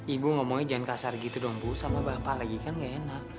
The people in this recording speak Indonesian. ibu ngomongnya jan kasar gitu dong bu sama bapak lagi kan gak enak